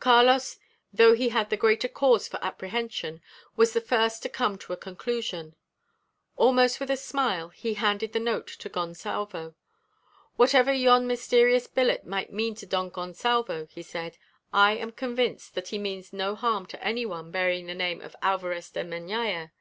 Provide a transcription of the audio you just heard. Carlos, though he had the greater cause for apprehension, was the first to come to a conclusion. Almost with a smile he handed the note to Gonsalvo. "Whatever yon mysterious billet may mean to Don Gonsalvo," he said, "I am convinced that he means no harm to any one bearing the name of Alvarez de Meñaya."